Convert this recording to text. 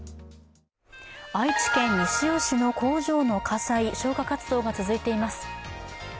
愛知県西尾市の工場の火災、消火活動が続いています。